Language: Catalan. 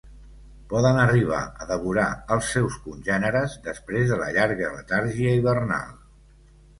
Poden arribar a devorar als seus congèneres després de la llarga letargia hivernal.